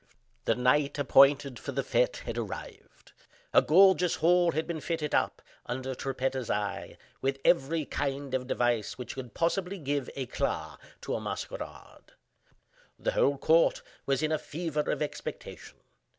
The night appointed for the fete had arrived. A gorgeous hall had been fitted up, under Trippetta's eye, with every kind of device which could possibly give eclat to a masquerade. The whole court was in a fever of expectation.